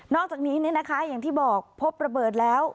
อกจากนี้อย่างที่บอกพบระเบิดแล้ว